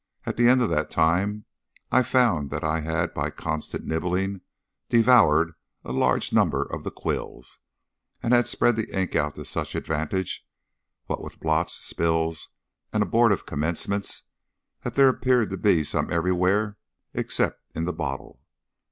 At the end of that time I found that I had by constant nibbling devoured a large number of the quills, and had spread the ink out to such advantage, what with blots, spills, and abortive commencements, that there appeared to be some everywhere except in the bottle.